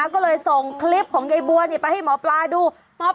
ก็เลยส่งคลิปของยายบัวไปให้หมอปลาดู